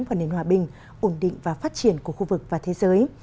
vào nền hòa bình ổn định và phát triển của khu vực và thế giới